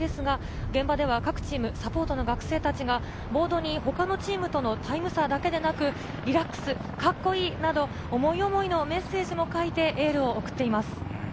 現場では各チーム、サポートの学生たちがボードに他のチームとのタイム差だけでなく、リラックス、カッコいいなど、思い思いのメッセージを書いてエールを送っています。